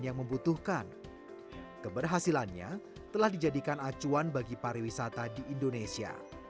yang membutuhkan keberhasilannya telah dijadikan acuan bagi pariwisata di indonesia